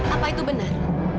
apa itu benar